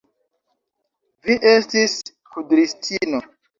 Vi estis kudristino!